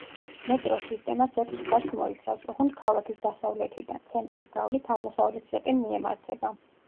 მეტროს სისტემაც ექვს ხაზს მოიცავს, ოღონდ ქალაქის დასავლეთიდან, ცენტრის გავლით, აღმოსავლეთისაკენ მიემართება.